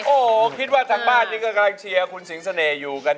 โอ้โหคิดว่าทางบ้านนี้ก็กำลังเชียร์คุณสิงเสน่ห์อยู่กัน